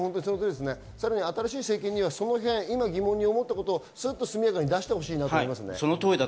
新しい政権にはそのへん、疑問に思ったことを速やかに出してほしいなと思いますね。